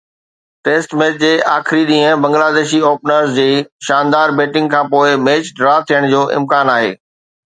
Test match جي آخري ڏينهن بنگلاديشي اوپنرز جي شاندار بيٽنگ کانپوءِ ميچ ڊرا ٿيڻ جو امڪان آهي.